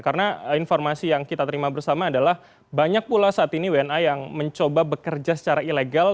karena informasi yang kita terima bersama adalah banyak pula saat ini wna yang mencoba bekerja secara ilegal